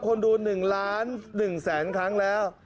คนดู๑ล้าน๑แสนครั้งแล้ว